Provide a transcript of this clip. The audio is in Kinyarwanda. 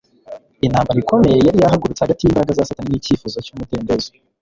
Intambara ikomeye yari yahagurutse hagati y'imbaraga za Satani n'icyifuzo cy'umudendezo